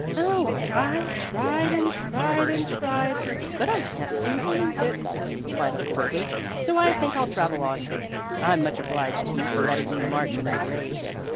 "Oh, I've tried and tried and tried, but I can't seem to lose it," replied Uncle Wiggily. "So I think I'll travel on. I'm much obliged to you for letting me march in the parade."